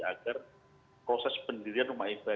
agar proses pendirian rumah ibadah